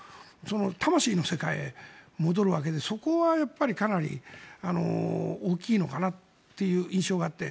魂の世界へ戻るわけでそこはやっぱりかなり大きいのかなという印象があって。